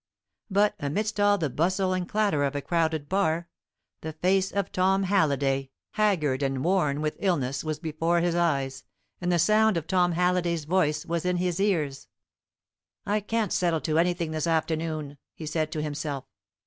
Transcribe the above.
But, amidst all the bustle and clatter of a crowded bar, the face of Tom Halliday, haggard and worn with illness, was before his eyes, and the sound of Tom Halliday's voice was in his ears. "I can't settle to anything this afternoon," he said to himself.